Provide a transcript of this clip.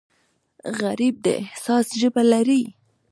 غریب د احساس ژبه لري